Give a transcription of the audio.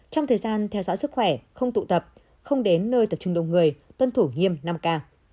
trong thời gian theo dõi sức khỏe không tụ tập không đến nơi tập trung đông người tuân thủ nghiêm năm k